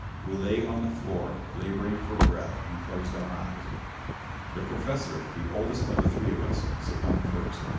We lay on the floor, laboring for breath, and closed our eyes.... The Professor, the oldest of the three of us, succumbed first.